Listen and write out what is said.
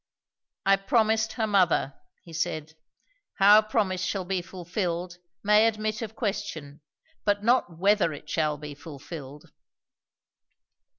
"I promised her mother," he said. "How a promise shall be fulfilled, may admit of question; but not whether it shall be fulfilled."